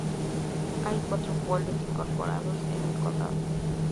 Hay cuatro pueblos incorporados en el condado.